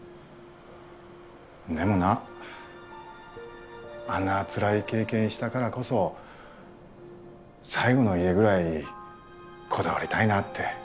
んでもなあんなつらい経験したからこそ最後の家ぐらいこだわりたいなって。